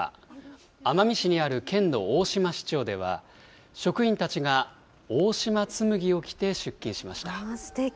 奄美市にある県の大島支庁では職員たちが大島紬を着て出勤しましすてき。